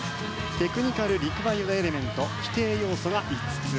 テクニカルディフィカルトエレメント規定要素が５つ。